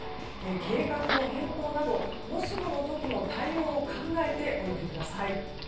計画の変更などもしもの時の対応を考えておいてください。